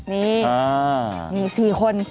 นี่มี๔คน